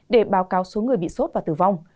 để báo cáo số người bị sốt và tử vong